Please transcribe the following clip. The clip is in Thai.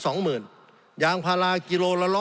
สงบจนจะตายหมดแล้วครับ